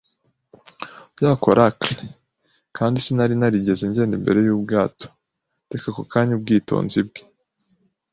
ya coracle. Kandi sinari narigeze ngenda imbere yubwato, ndeka ako kanya ubwitonzi bwe